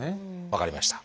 分かりました。